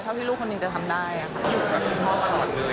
เท่าที่ลูกคนหนึ่งจะทำได้ค่ะ